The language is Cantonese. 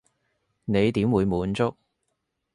你點會滿足？